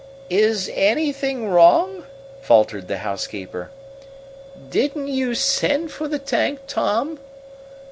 "Is anything wrong?" faltered the housekeeper. "Didn't you send for the tank, Tom?"